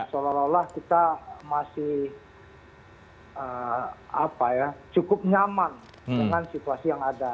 seolah olah kita masih cukup nyaman dengan situasi yang ada